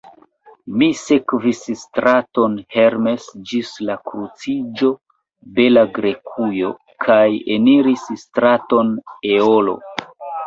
Mi sekvis straton Hermes ĝis la kruciĝo Bela Grekujo, kaj eniris straton Eolo.